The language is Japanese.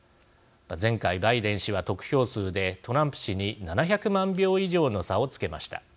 前回バイデン氏は得票数でトランプ氏に７００万票以上の差をつけました。